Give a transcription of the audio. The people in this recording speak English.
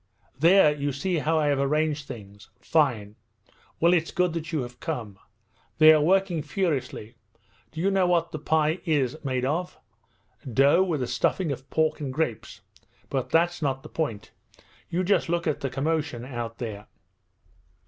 'There, you see how I have arranged things. Fine! Well, it's good that you have come. They are working furiously. Do you know what the pie is made of? Dough with a stuffing of pork and grapes. But that's not the point. You just look at the commotion out there!'